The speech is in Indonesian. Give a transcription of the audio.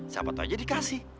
siapa tau aja dikasih